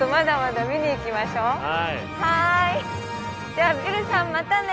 じゃあビルさんまたね。